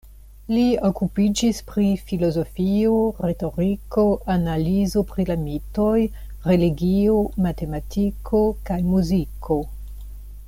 Li okupiĝis pri filozofio, retoriko, analizo pri la mitoj, religio, matematiko kaj muziko.